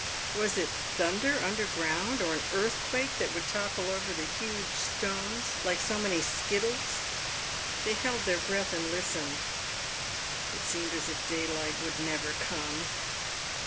Was it thunder under ground, or an earth quake that would topple over the huge stones like so many skittles ? They held their breath and listened. It seemed as if daylight would never come.